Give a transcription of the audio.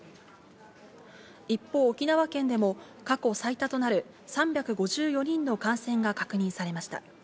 一方、沖縄県でも過去最多となる、３５４人の感染が確認されました。